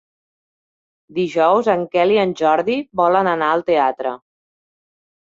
Dijous en Quel i en Jordi volen anar al teatre.